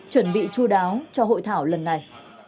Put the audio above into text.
chuẩn bị chú đáo cho hội thảo lần này